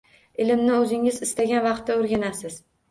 Ilmni o’zingiz istagan vaqtda o’rganasiz